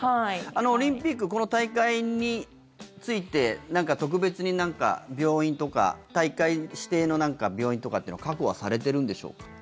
オリンピックこの大会について特別に病院とか大会指定の病院とかってのは確保はされてるんでしょうか？